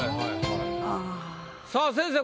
さあ先生